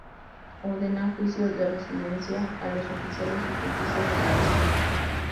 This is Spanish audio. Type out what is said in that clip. Ordena juicios de residencia a los oficiales y justicias de sus estados.